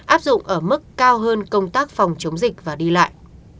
áp dụng ở mức cao hơn công tác phòng chống dịch và đi lại